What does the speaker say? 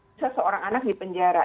bisa seorang anak di penjara